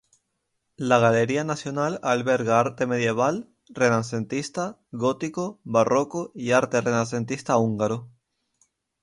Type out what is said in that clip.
La Galería Nacional alberga arte medieval, renacentista, gótico, barroco y arte renacentista húngaro.